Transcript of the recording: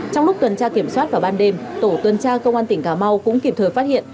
trong lúc tuần tra kiểm soát vào ban đêm tổ tuần tra công an tỉnh cà mau cũng kịp thời phát hiện